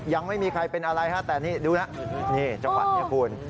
ยังไม่มีใครเป็นอะไรฮะแต่นี่ดูนะนี่จังหวะนี้คุณ